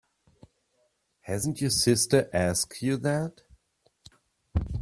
Hasn't your sister asked you that?